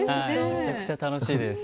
めちゃくちゃ楽しいです。